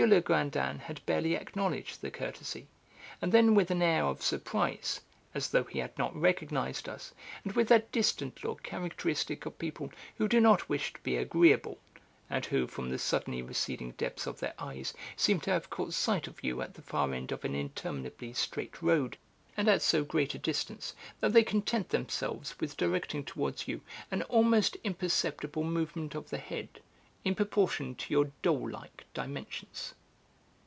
Legrandin had barely acknowledged the courtesy, and then with an air of surprise, as though he had not recognised us, and with that distant look characteristic of people who do not wish to be agreeable, and who from the suddenly receding depths of their eyes seem to have caught sight of you at the far end of an interminably straight road, and at so great a distance that they content themselves with directing towards you an almost imperceptible movement of the head, in proportion to your doll like dimensions.